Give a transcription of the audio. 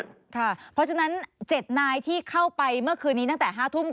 เพราะฉะนั้น๗นายที่เข้าไปเมื่อคืนนี้ตั้งแต่๕ทุ่ม